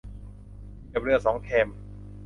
เหยียบเรือสองแคม